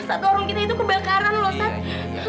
sat warung kita itu kebakaran loh sat